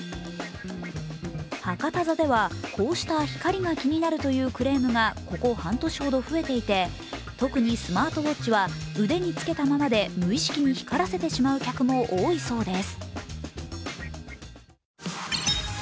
博多座ではこうした光が気になるというクレームがここ半年ほど増えていて特にスマートウォッチは腕に着けたままで無意識に光らせてしまう客も多いそうです。